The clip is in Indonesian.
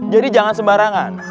jadi jangan sembarangan